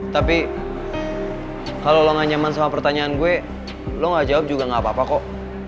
tapi kalau lo gak nyaman sama pertanyaan gue lo gak jawab juga gak apa apa kok